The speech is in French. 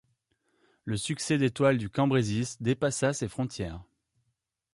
Le succès des toiles du Cambrésis dépassa ses frontières.